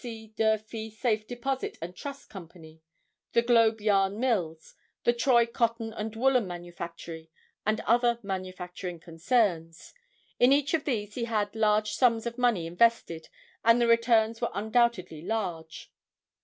C. Durfee Safe Deposit and Trust Company, the Globe Yarn Mills, the Troy Cotton and Woolen Manufactory and other manufacturing concerns. In each of these he had large sums of money invested and the returns were undoubtedly large.